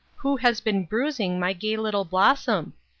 Who has been bruising my gay little blossom?"